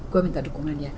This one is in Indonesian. gue minta dukungan ya